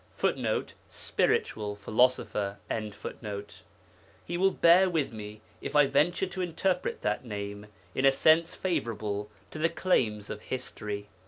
[Footnote: 'Spiritual Philosopher.'] He will bear with me if I venture to interpret that name in a sense favourable to the claims of history.